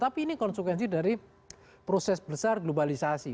tapi ini konsekuensi dari proses besar globalisasi